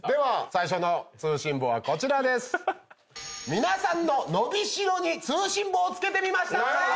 皆さんののびしろに通信簿を付けてみました！